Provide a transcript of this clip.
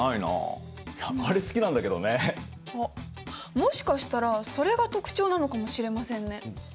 もしかしたらそれが特徴なのかもしれませんね。